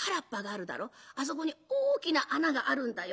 あそこに大きな穴があるんだよ。